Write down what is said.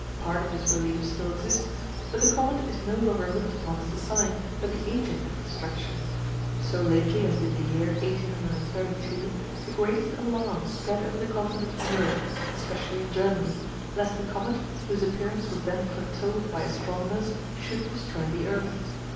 Part of this belief still exists; but the comet is no longer looked upon as the sign, but the agent of destruction. So lately as in the year 1832 the greatest alarm spread over the continent of Europe, especially in Germany, lest the comet, whose appearance was then foretold by astronomers, should destroy the earth.